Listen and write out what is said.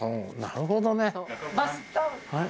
なるほどね。